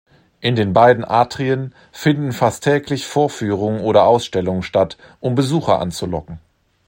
In den beiden Atrien finden fast täglich Vorführungen oder Ausstellungen statt, um Besucher anzulocken.